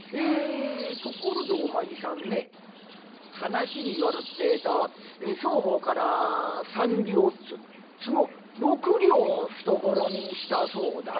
ところでお前さんね話によるってえと双方から３両っつ都合６両を懐にしたそうだね」。